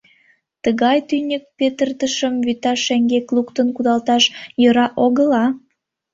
Тыгай тӱньык петыртышым вӱта шеҥгек луктын кудалташ йӧра огыла.